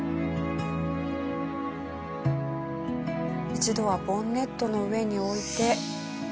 一度はボンネットの上に置いて。